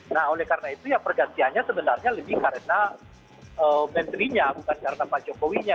nah oleh karena itu ya pergantiannya sebenarnya lebih karena menterinya bukan karena pak jokowinya